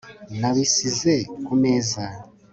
nabisize kumeza